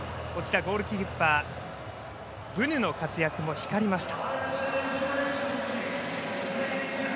ゴールキーパーのブヌの活躍も光りました。